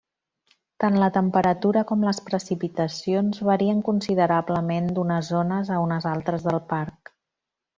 Tant la temperatura com les precipitacions varien considerablement d'unes zones a unes altres del parc.